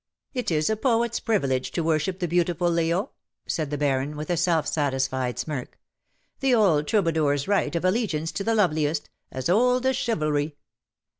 " It is a poet^s privilege to worship the beautiful, Leo,^^ said the Baron, with a self satisfied smirk. " The old troubadour^s right of allegiance to the loveliest — as old as chivalry."